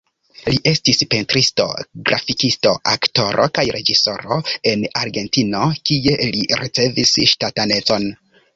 Li estis pentristo, grafikisto, aktoro kaj reĝisoro en Argentino, kie li ricevis ŝtatanecon.